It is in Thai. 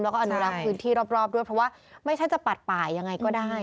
แล้วก็อนุรักษ์พื้นที่รอบด้วยเพราะว่าไม่ใช่จะปัดป่ายังไงก็ได้